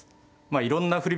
いろんな振り